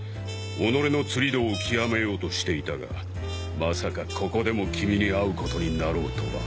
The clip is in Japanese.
己の釣り道を極めようとしていたがまさかここでもキミに会うことになろうとは。